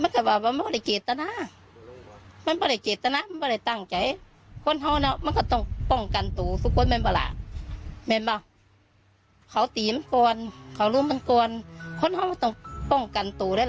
ต้องป้องกันตัวด้วยล่ะ